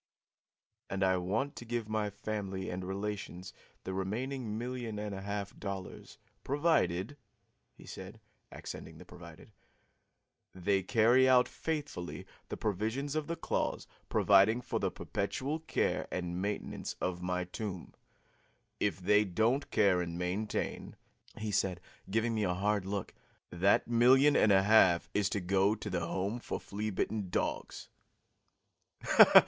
"And I want to give my family and relations the remaining million and a half dollars, provided," he said, accenting the 'provided,' "they carry out faithfully the provisions of the clause providing for the perpetual care and maintenance of my tomb. If they don't care and maintain," he said, giving me a hard look, "that million and a half is to go to the Home for Flea Bitten Dogs."